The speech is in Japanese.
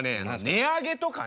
値上げとかね。